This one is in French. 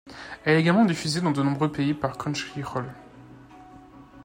Elle est également diffusée dans de nombreux pays par Crunchyroll.